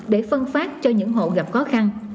để phân phát cho những hộ gặp khó khăn